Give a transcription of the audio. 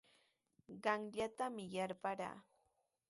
Qamllatami yarparaa.